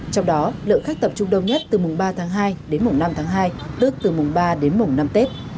trong đó lượng khách tập trung đông nhất từ mùng ba tháng hai đến mùng năm tháng hai tức từ mùng ba đến mùng năm tết